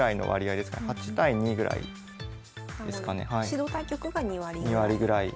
指導対局が２割ぐらい。